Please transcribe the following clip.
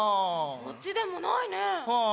こっちでもないね。